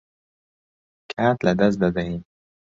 کات لەدەست دەدەین.